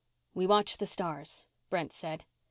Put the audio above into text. "We watch the stars," Brent said.